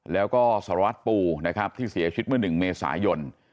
แล้วก็สวรรค์ปูที่เสียชีวิตเมื่อหนึ่งเมษายน